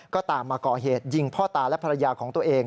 ก็ตามมาก่อเหตุยิงพ่อตาและภรรยาของตัวเอง